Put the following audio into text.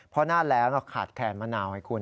เพราะหน้าแรงขาดแคนมะนาวให้คุณ